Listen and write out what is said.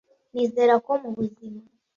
nizera ko mubuzima